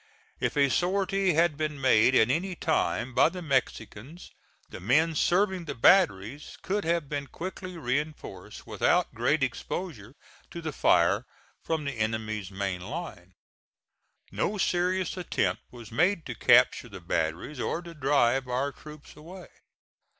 If a sortie had been made at any time by the Mexicans, the men serving the batteries could have been quickly reinforced without great exposure to the fire from the enemy's main line. No serious attempt was made to capture the batteries or to drive our troops away.